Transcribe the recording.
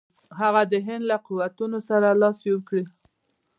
هغه د هند له قوتونو سره لاس یو کړي.